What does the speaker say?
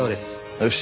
よし。